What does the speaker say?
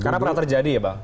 karena pernah terjadi ya bang